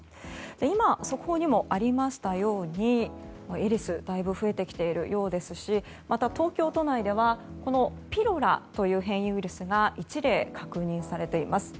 今、速報にもありましたようにエリスだいぶ増えてきているようですしまた東京都内ではピロラという変異ウイルスが１例、確認されています。